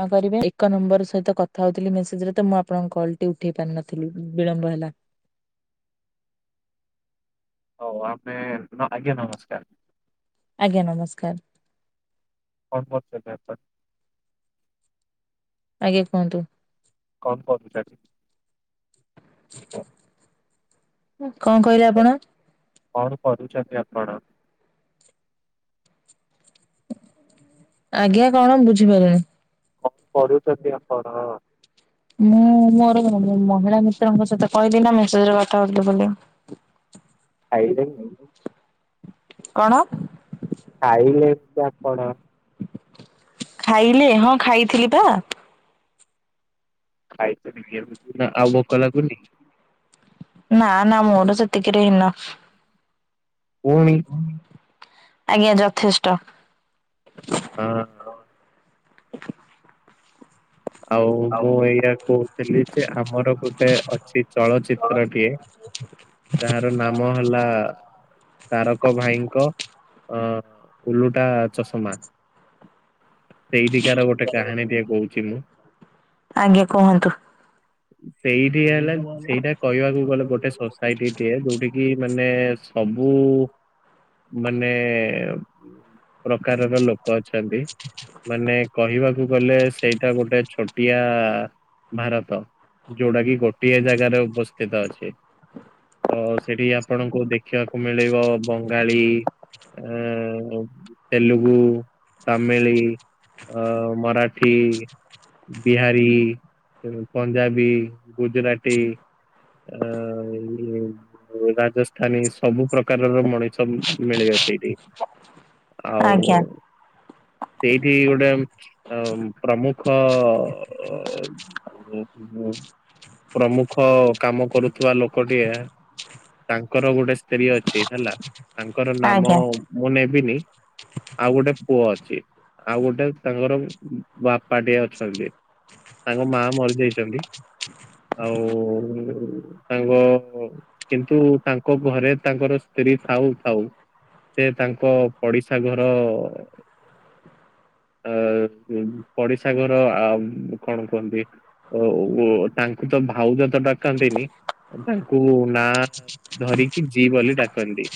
ହଁ କରିବେ ଏକ ନମ୍ବର ସହିତ କଥା ହଉଥିଲି ମେସେଜରେ ତ ମୁଁ ଆପଣଙ୍କ କଲ ଟି ଉଠେଇ ପାରିନଥିଲି ବିଳମ୍ବ ହେଲା। ହଉ ଆମେ ନ ଆଜ୍ଞା ନମସ୍କାର। ଆଜ୍ଞା ନମସ୍କାର। କଣ କରଚନ୍ତି ଆପଣ? ଆଜ୍ଞା କୁହନ୍ତୁ। କମ୍ କପି ଛାଡ଼ିଦେଇଚି। ଙ୍କ କହିଲେ ଆପଣ? କଣ କରୁଛନ୍ତି ଆପଣ? ଆଜ୍ଞା କଣ ବୁଝିପାଇଲିନି। ଙ୍କ କରଚନ୍ତି ଆପଣ? ମୁଁ ମୋର ମହିଳା ମିତ୍ରଙ୍କ ସହିତ କହିଲି ନା ମେସେଜରେ କଥା ହଉଥିଲି ବୋଲି। ଖାଇଚନ୍ତି କଣ? ଖାଇଲେ କି ଆପଣ? ଖାଇଲେ ହଁ ଖାଇଥିଲି ପା। ଖାଇଚନ୍ତି ଟିକେ ନା ଆଉ ଭୋକ ଲାଗୁନି ନା ନା ମୋର ସେତିକିରେ ଇନଫ୍। ପୁଣି ଆଜ୍ଞା ଯଥେଷ୍ଟ। ହଁଅ। [inaudible] ଆଉ ମୁଁ ଏଇଆ କହୁଥିଲି ଯେ ଆମର ଗୋଟେ ଅଛି ଚଳଚିତ୍ରଟିଏ ତାର ନାମ ହେଲା ତାରକ ଭାଇଙ୍କ ଅ ଉଲୁଟା ଚଷମା। ସେଇଠିକାର ଗୋଟେ କାହାଣୀ ଟିଏ କହୁଛି ମୁଁ। ଆଜ୍ଞା କୁହନ୍ତୁ। ସେଇଠି ହେଲାନ୍ ସେଇଟା କହିବାକୁ ଗଲେ ଗୋଟେ ସୋସାଇଟିଏ ଯୋଉଠ କିି ମାନେ ସବୁ ମାନେ ପ୍ରକାରର ଲୋକ୍ ଲୋକ ଅଛନ୍ତି, ମାନେ କହିବାକୁ ଗଲେ ସେଇଟା ଗୋଟେ ଛୋଟିଆ ଭାରତ ଯୋଉଟା କି ଗୋଟିଏ ଜାଗାରେ ଉପସ୍ଥିତ ଅଛି। ତ ସେଠି ଆପଣଙ୍କୁ ଦେଖିବାକୁ ମିଳିବ ବଙ୍ଗାଳୀ ଏଁ ତେଲୁଗୁ, ତାମିିଲି ଅ ମରାଠି ବିହାରୀ, ପଞ୍ଜାବୀ, ଗୁଜୁରାଟି ଆ ଏଇଲି ଏଇ ରାଜସ୍ଥାନୀ ସବୁ ପ୍ରକାରର ମଣିଷ ମିଳିବ ସେଇଠି ଆଉ ଆଜ୍ଞା ସେଇଠି ଗୋଟେ ଅ ପ୍ରମୁଖ ଅ ଓ ହ ହୁ ପ୍ରମୁଖ କାମ କରୁଥିବା ଲୋକଟିଏ ତାଙ୍କର ଗୋଟେ ସ୍ତ୍ରୀ ଅଛି ହେଲା ତାଙ୍କର ନାମ ଆଜ୍ଞା ମୁଁ ନେବିନି ଆଉ ଗୋଟେ ପୁଅ ଅଛି ଆଉ ଗୋଟେ ତାଙ୍କର ବାପାଟିଏ ଅଛନ୍ତି। ତାଙ୍କ ମା ମରିଯାଇଛନ୍ତି ଆଉ ତାଙ୍କ କିନ୍ତୁ ତାଙ୍କ ଘରେ ତାଙ୍କର ସ୍ତ୍ରୀ ଥାଉ ଥାଉ ସେ ତାଙ୍କ ପଡିଶା ଘର ଅ ପଡ଼ିଶା ଘର ଆ କଣ କୁହନ୍ତି ଅ ଓ ତାଙ୍କୁ ତ ଭାଉଜ ତ ଡାକନ୍ତିନି ତାଙ୍କୁ ନା ଧରିକି ଯି ବୋଲି ଡାକନ୍ତି।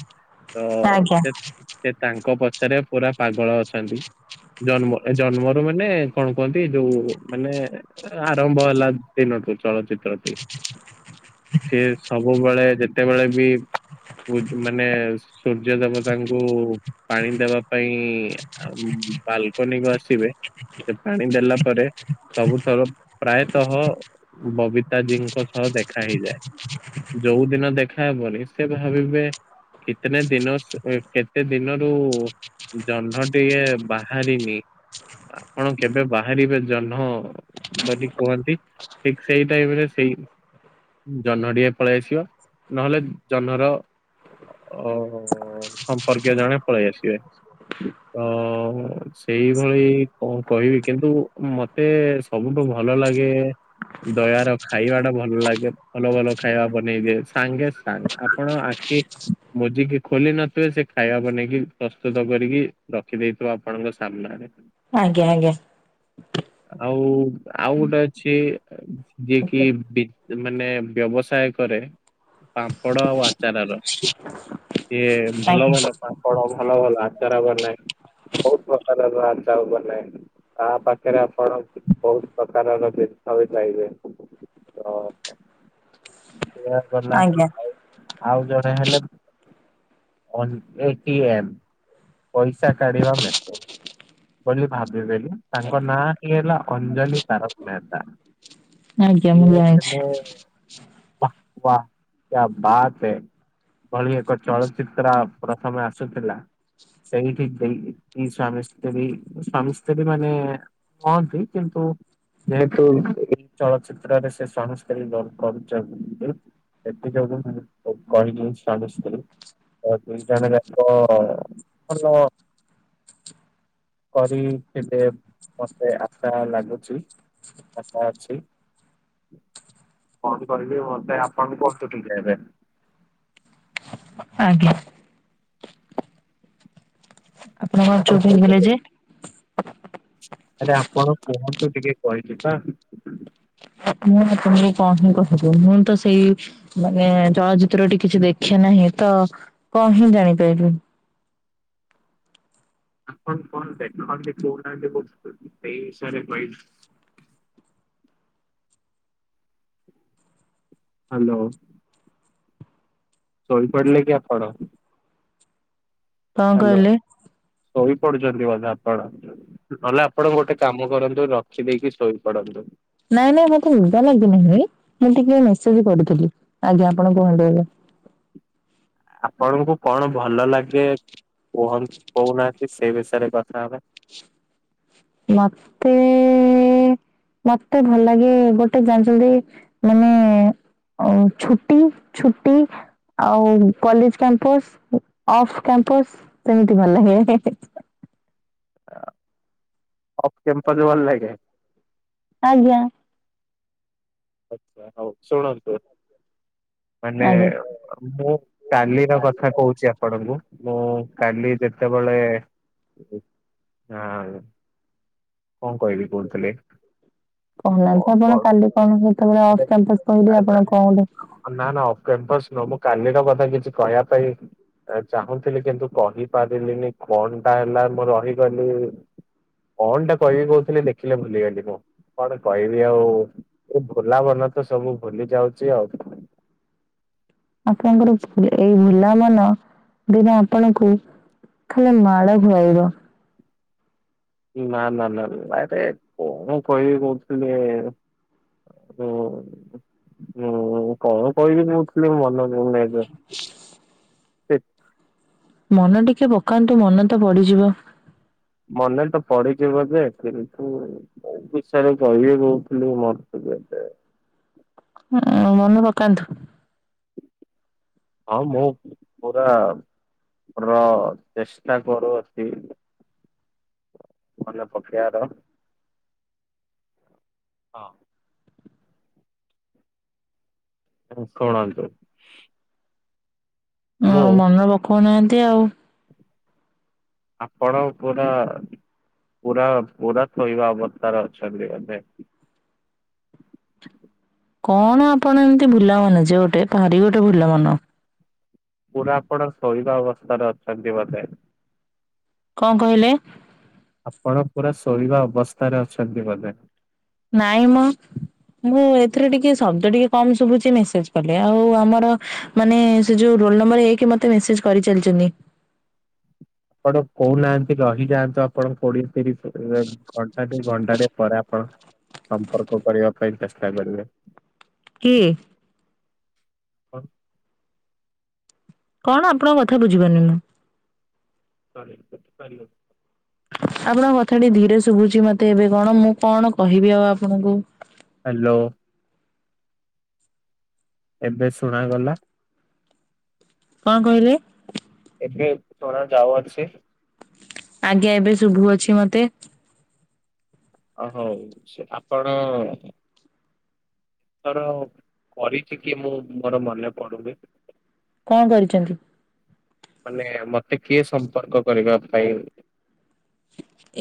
ଅ ଆଜ୍ଞା। ସେ ସେ ତାଙ୍କ ପଛରେ ପୁରା ପାଗଳ ଅଛନ୍ତି। ଜନ୍ମ ଜନ୍ମରୁ ମାନେ କଣ କୁହନ୍ତି ଯୋଉ ମାନେ ଆରମ୍ଭ ହେଲା ଦିନଠୁ ଚଳଚିତ୍ର ଟି ସିଏ ସବୁବେଳେ ଯେତେବେଳେ ବି ବୁ ମାନେ ସୂର୍ଯ୍ୟ ଦେବତାଙ୍କୁ ପାଣି ଦେବା ପାଇଁ ବାଲକନି କୁ ଆସିବେ ସେ ପାଣି ଦେଲା ପରେ ସବୁଥର ପ୍ରାୟତଃ ବବିତାଜୀଙ୍କ ସହ ଦେଖା ହେଇଯାଏ। ଯୋଉ ଦିନ ଦେଖାହବନି ସେ ଭାବିବେ କିତନେ ଦିନୋ ସ କେତେ ଦିନରୁ ଜହ୍ନ ଟିକେ ବାହାରିନି ଆପଣ କେବେ ବାହାରିବେ? ଜହ୍ନ ବୋଲି କୁହନ୍ତି ଠିକ ସେଇ ଟାଇମ ରେ ସେଇ ଜହ୍ନ ଟିକେ ପଳେଇ ଆସିବା ନହେଲେ ଜହ୍ନର ଅ ସମ୍ପର୍କୀୟ ଜଣେ ପଳେଇ ଆସିବେ। ତ ସେଇଭଳି କଣ କହିବି କିନ୍ତୁ ମତେ ସବୁଠୁ ଭଲ ଲାଗେ ଦୟାର ଖାଇବା ଟା ଭଲ ଲାଗେ ଭଲ ଭଲ ଖାଇବା ବନେଇଦିଏ ସାଙ୍ଗେ ସାଙ୍ଗେ ଆପଣ ଆଖି ମୋଜିକି ଖୋଲି ନଥିବେ ସେ ଖାଇବା ବନେଇକି ପ୍ରସ୍ତୁତ କରିକି ରଖିଦେଇଥିବ ଆପଣଙ୍କ ସାମ୍ନାରେ। ଆଜ୍ଞା ଆଜ୍ଞା। ଆଉ ଆଉ ଗୋଟେ ଅଛି। ଯିଏ କି ବି ମାନେ ବ୍ୟବସାୟ କରେ। ପାମ୍ପଡ ଆଉ ଆଚାର ର। ସିଏ ଭଲ ଭଲ ପାମ୍ପଡ ଭଲ ଭଲ ଆଚାର ବନାଏ। ବହୁତ ପ୍ରକାର ଆଚାର ବନାଏ ତା ପା ଖରେ ଆପଣ ବହୁତ ପ୍ରକାରର ଜିନିଷ ବି ପାଇବେ ତ ସିଏ ଗଲା ଆଜ୍ଞା ଆଜ୍ଞା ଆଉ ଆଉ ଜଣେ ହେଲେ ଅନ ଏ ଟି ଏମ ପଇସା କାଢିବା ମେସିନ। ବୋଲି ଭାବଦେଲି ତାଙ୍କ ନାଁ ଟି ହେଲା ଅଞ୍ଜଳି ତାରକ ମେହେତା। ଆଜ୍ଞା ମୁଁ ଜାଣିଛି। ଆହ୍ ୱା କ୍ୟା ବାତ୍ ହେ। ଭଳି ଏକ ଚଳଚିତ୍ର ପ୍ରଥମେ ଆସୁଥିଲା। ସେଇଠି ସେଇ ସୁଆମୀ ସ୍ତ୍ରୀ ସୁଆମୀ ସ୍ତ୍ରୀ ମାନେ କହନ୍ତି କିନ୍ତୁ ଯେହେତୁ ଏଇ ଚଳଚିତ୍ରରେ ସେ ସ୍ୱାମୀ ସ୍ତ୍ରୀ ରୋଲ୍ କରୁଚନ୍ତି। [unintelligible] ସେଥି ଯୋଗୁଁ ମୁଁ କହିଲି ସ୍ୱାମୀ ସ୍ତ୍ରୀ। ହଁ ଦି ଜଣ ଯାକ ଭଲ କରି କେବେ ମତେ ଆଶା ଲାଗୁଚି ଆଶା ଅଛି। କଣ କହିବି ମତେ ଆପଣ କୁହନ୍ତୁ ଟିକେ ଏବେ। ଆଜ୍ଞା। ତୁମେ କଣ ଆପଣ ଚୁପ୍ ହେଇଗଲେ କହିପାରିବେ? ଯେ? ଆରେ ଆପଣ କୁହନ୍ତୁ ଟିକେ କହିଲି ପା। ମୁଁ ଆପଣଙ୍କୁ କଣ ହିଁ କହିବି ମୁଁ ତ ସେଇ ମାନେ ଚଳଚିତ୍ର ଟିକେ କିଛି ଦେଖେ ନାହିଁ ତ କଣ ହିଁ ଜାଣିପାରିବି। ଆପଣ କଣ ଦେଖନ୍ତି କହୁନାହାନ୍ତି ମୁଁ ସେଇ ବିଷୟରେ କହିବି। ହାଲୋ। ଶୋଇପଡିଲେ କି ଆପଣ? କଣ ହାଲୋ କହିଲେ ଶୋଇପଡୁଛନ୍ତି ବୋଧେ ଆପଣ? ନହେଲେ ଆପଣ ଗୋଟେ କାମ କରନ୍ତୁ ରଖିଦେଇକି ଶୋଇପଡ଼ନ୍ତୁ। ନାଇଁ ନାଇଁ ମତେ ନିଦ ଲାଗି ନାହିଁ ମୁଁ ଟିକେ ମେସେଜ କରୁଥିଲି, ଆଜ୍ଞା ଆପଣ କୁହନ୍ତୁ ଏବେ। ଆପଣଙ୍କୁ କଣ ଭଲ ଲାଗେ କୁହନ କହୁନାହାନ୍ତି ସେଇ ବିଷୟରେ କଥା ହବା। ମତେ ମତେ ଭଲ ଲାଗେ ଗୋଟେ ଜାଣିଛନ୍ତି ମାନେ ଓ ଛୁଟି ଛୁଟି ଆଉ କଲେଜ କ୍ୟାମ୍ପସ, ଅଫ କ୍ୟାମ୍ପସ ସେମିତି ଭଲ ଲାଗେ। ହେ ହେ ହେ। ଅ ଅଫ୍ କ୍ୟାମ୍ପସ ଭଲ ଲାଗେ? ଆଜ୍ଞା। ଆଚ୍ଛା, ହଉ ଶୁଣନ୍ତୁ? ମାନେ ଆଜ୍ଞା। ମୁଁ କାଲିର କଥା କହୁଛି ଆ ଆପଣଙ୍କୁ ମୁଁ କାଲି ଯେତେବେଳେ ଅଁ କଁ କହିବି କହୁଥିଲେ? କହୁନାହାନ୍ତି ଆପଣ କାଲି କଣ ସେତେବେଳେ ଅଫ୍ କ୍ୟାମ୍ପସ କହିଲେ ମାନେ ଆପଣ କଣ ଗୋଟେ ନା ନା ଅଫ୍ କ୍ୟାମ୍ପସ ନୁହଁ ମୁଁ କାଲିର କଥା କିଛି କହିବା ପାଇଁ ଚାହୁଁଥିଲି କିନ୍ତୁ କହିପାରିଲିନି କଣ ଟା ହେଲା ମୁଁ ରହିଗଲି। କଣଟା କହିବି କହୁଥିଲି ଦେଖିଲେ ଭୁଲିଗଲି ମୁଁ କଣ କହିବି ଆଉ। ଭୁଲା ମନ ତ ସବୁ ଭୁଲି ଯାଉଚି ଆଉ। ଆପଣଙ୍କର ଭୁଲା ଏଇ ଭୁଲା ମନ ଦିନେ ଆପଣଙ୍କୁ ଖାଲି ମାଡ଼ ଖାଇବ। ନା ନା ନା ଆରେ କଣ କହିବି କହୁଥିଲି। ହୁଁ ହୁଁ କଣ କହିବି କହୁଥିଲି ମନେପଡୁ ନାହିଁ ଏବେ। [unintelligible] ସେ ମନ ଟିକେ ପକାନ୍ତୁ ମନେ ତ ପଡିଯିବ। ମନେ ତ ପଡିଯିବ ଯେ କିନ୍ତୁ କୋଉ ବିଷୟରେ କହିବି କହୁଥିଲି [unintelligible] ହୁଁ, ମନେ ପକାନ୍ତୁ। ହଁ ମୁଁ ପୁରା ପ୍ର ଚେଷ୍ଟା କରୁଅଛି। ମନେପକେଇଆର, ହଁ। ଶୁଣନ୍ତୁ। ଉଁ, ମୁଁ ମନେ ପକଉନାହାନ୍ତି ଆଉ। ଆପଣ ପୁରା ପୁରା ପୁରା ସୋଇବା ଅବସ୍ଥାରେ ଅଛନ୍ତି ବୋଧେ। କଣ ଆପଣ ଏମିତି ଭୁଲାମନ ଯେ ଗୋଟେ, ଭାରି ଗୋଟେ ଭୁଲାମନ। ପୁରା ଆପଣ ଶୋଇବା ଅବସ୍ଥାରେ ଅଛନ୍ତି ବୋଧେ। କଁ କହିଲେ? ଆପଣ ପୁରା ଶୋଇବା ଅବସ୍ଥାରେ ଅଛନ୍ତି ବୋଧେ। ନାଇଁ ମ। ମୁଁ ଏଥିରେ ଟିକେ ଶବ୍ଦ ଟିକେ କମ ଶୁବୁଚି ମେସେଜ କଲେ ଆଉ ଆମର ମାନେ ସେ ଯୋଉ ରୋଲ ନମ୍ବର ଏକେ ମତେ ମେସେଜ କରିଚାଲିଛନ୍ତି। ଆପଣ କହୁନାହାନ୍ତି ରହିଯାଆନ୍ତୁ ଆପଣ କୋଉଢି? ତିରିସ୍ ଘଣ୍ଟାଟେ ଘଣ୍ଟାଟେ ପରେ ଆପଣ ସମ୍ପର୍କ କରିବା ପାଇଁ ଚେଷ୍ଟା କରିବେ। କିଏ? କଣ ଆପଣଙ୍କ କଥା ବୁଝିପାରୁନି ମୁଁ? [unintelligible] ଆପଣଙ୍କ କଥା ଟିକେ ଧୀରେ ଶୁବୁଚି ମତେ ଏବେ କଣ ମୁଁ କଣ କହିବି ଆଉ ଆପଣଙ୍କୁ। ହାଲୋ। ଏବେ ଶୁଣାଗଲା? କଁ କହିଲେ? ଏବେ ଶୁଣାଯାଉଅଛି? ଆଜ୍ଞା ଏବେ ଶୁଭୁ ଅଛି ମତେ। ଅ ହଉ ସେ ଆପଣ ତର କରିଚି କି ମୁଁ ମୋର ମନେ ପଡୁନି। କଁ କରିଚନ୍ତି? ମାନେ ମତେ କିଏ ସମ୍ପର୍କ କରିବା ପାଇଁ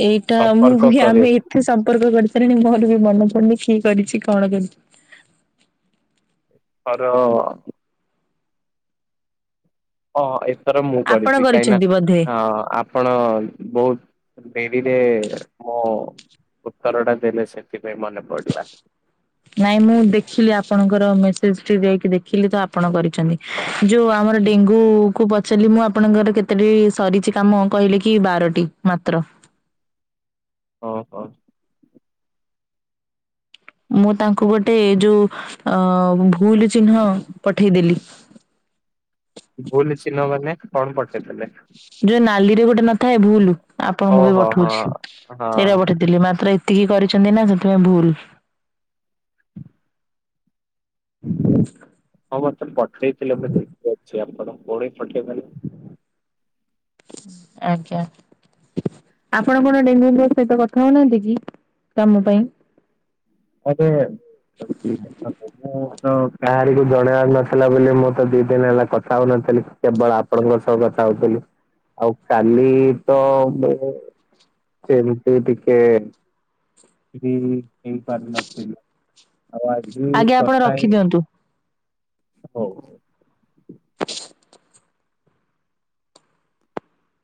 ଏଇଟା ମୁଁ ସମ୍ପର୍କ ବି ଆମେ କରିଛି ଏତେ ସମ୍ପର୍କ କରି ସାରିଲିଣି ମୋର ବି ମନ ପଡୁନି କିଏ କରିଚି କଣ କରିଚି। ଅର ହଁ ଏଥର ମୁଁ ଆପଣ କରିଚି କାହିଁକିନା କରିଛନ୍ତି ବୋଧେ? ଅ ଆପଣ ଅ ବହୁତ୍ ଡେରିରେ ମୋ ଉତ୍ତର ଟା ଦେଲେ ସେଥିପାଇଁ ମନେ ପଡିଲା। ନାଇଁ ମୁଁ ଦେଖିଲି ଆପଣଙ୍କର ମେସେଜ୍ ଟି ଯାଇକି ଦେଖିଲି ତ ଆପଣ କରିଚନ୍ତି। ଯଉ ଆମର ଡେଙ୍ଗୁ କୁ ପଚାରିଲି ମୁଁ ଆପଣଙ୍କର କେତେଟି ସରିଚି କାମ କହିଲେ କି ବାରଟି। ମାତ୍ର। ଓହୋ। ମୁଁ ତାଙ୍କୁ ଗୋଟେ ଏ ଯଉ ଅ ଭୁଲୁ ଚିହ୍ନ ପଠେଇଦେଲି। ଭୁଲୁ ଚିହ୍ନ ମାନେ କଣ ପଠେଇଦେଲେ? ଯଉ ନାଲିରେ ଗୋଟେ ନଥାଏ ଭୁଲୁ ଆପଣଙ୍କୁ ବି ଓହୋ ହଁ ପଠଉଚି ହଁ ସେଟା ହଁ ପଠେଇଥିଲି ମାତ୍ର ଏତିକି କରିଚନ୍ତି ନା ସେଥିପାଇଁ ଭୁଲ୍। ହଁ ମତେ ବି ପଠେଇଥିଲେ ମୁଁ ଦେଖି ଅଛି ଆପଣ ପୁଣି ପଠେଇ ଦେଲେ? ଆଜ୍ଞା। ଆପଣ କଣ ଡେଙ୍ଗୁ ଙ୍କ ସହିତ କଥା ହଉନାହାନ୍ତି କି କାମ ପାଇଁ? ଏବେ [inaudible] ମୁଁ ତ କାହାରିକୁୁ ଜଣେଇବାର ନଥିଲା ବୋଲି ମୁଁ ତ ଦି ଦିନ ହେଲା କଥା ହଉନଥିଲି। କେବଳ ଆପଣଙ୍କ ସହ କଥା ହଉଥିଲି। ଆଉ କାଲି ତ ମୁ ସେମିତି ଟିକେ ବି ପାରିନଥିଲି। ଆଉ ଆଜି ଆଜ୍ଞା ଆପଣ କଥା ରଖିଦିଅନ୍ତୁ। [unintelligible]